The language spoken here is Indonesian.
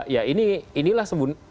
ya inilah sebuah